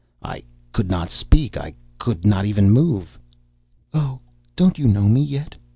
I could not speak—I could not even move. "Oh, don't you know me yet?"